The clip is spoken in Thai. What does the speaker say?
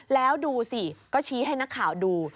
แล้วดูสิก็ชี้ให้นักข่าวดู